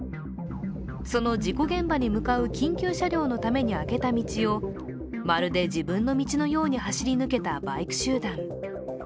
その事故現場に向かう緊急車両のために空けた道をまるで自分の道のように走り抜けたバイク集団。